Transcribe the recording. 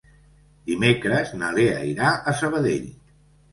Dimecres na Lea irà a Sabadell.